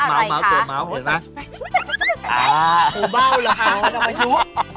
เราเบ้าประวัติภาพหัวอยู่